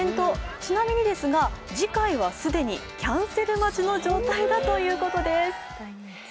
ちなみにですが次回は既にキャンセル待ちの状態だということです。